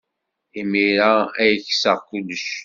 Imir-a ay kkseɣ kullec.